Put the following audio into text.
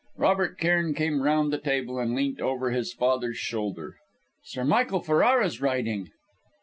Robert Cairn came round the table, and leant over his father's shoulder. "Sir Michael Ferrara's writing!"